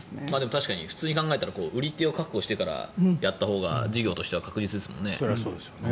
確かに普通に考えたら売り手を確保してからやったほうが事業としては確実ですもんね。